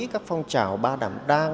các phong trào ba đảm đang